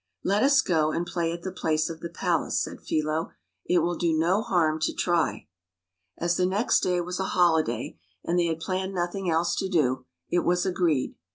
Let us go and play at the place of the palace!/* said Philo. " It will do no harm to try." As the next day was a holiday, and they had planned nothing else to do, it was agreed.